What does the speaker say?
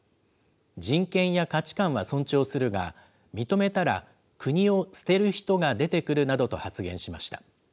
人権や価値観は尊重するが、認めたら国を捨てる人が出てくるなどと発言しました。